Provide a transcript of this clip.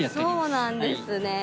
そうなんですね